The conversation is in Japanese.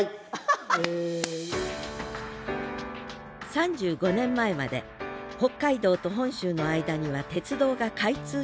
３５年前まで北海道と本州の間には鉄道が開通していませんでした